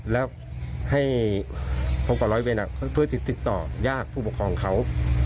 แล้วให้พรเว้นเพื่อติดต่อยากผู้ประคองเขา